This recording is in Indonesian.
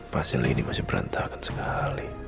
pasal ini masih berantakan sekali